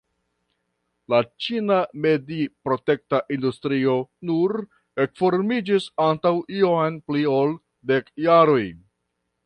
La ĉina mediprotekta industrio nur ekformiĝis antaŭ iom pli ol dek jaroj.